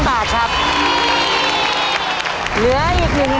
๑โบนัสหลังตู้หมายเลข๒เท่าไร